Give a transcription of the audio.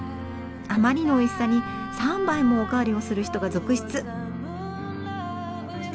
あまりのおいしさに３杯もお代わりをする人が続出。